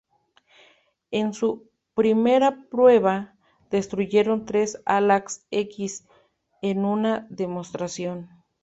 En su primera prueba, destruyeron tres Ala-X en una demostración.